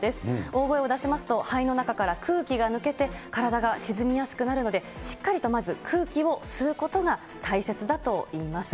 大声を出しますと、肺の中から空気が抜けて、体が沈みやすくなるので、しっかりとまず空気を吸うことが大切だといいます。